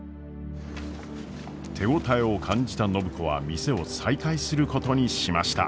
手応えを感じた暢子は店を再開することにしました。